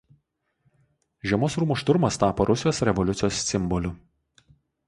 Žiemos rūmų šturmas tapo Rusijos revoliucijos simboliu.